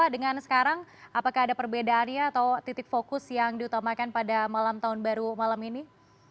dengan sekarang apakah ada perbedaannya atau titik fokus yang diutamakan pada malam tahun baru malam ini